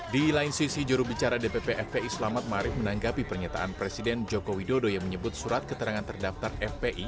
di lain sisi jurubicara dpp fpi selamat marif menanggapi pernyataan presiden joko widodo yang menyebut surat keterangan terdaftar fpi